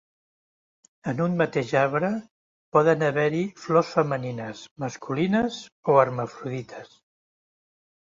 En un mateix arbre poden haver-hi flors femenines, masculines o hermafrodites.